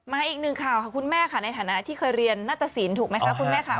มาอีกนึงค่าวคุณแม่ค่ะในฐานะที่เคยเรียนนัฏศีลถูกไหมคะคุณแม่คะ